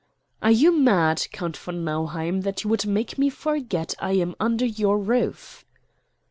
"Are you mad, Count von Nauheim, that you would make me forget I am under your roof?"